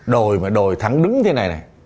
đồi mà đồi thẳng đứng thế này nè